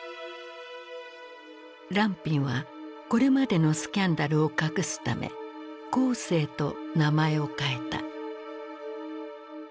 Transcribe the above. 藍蘋はこれまでのスキャンダルを隠すため「江青」と名前を変えた。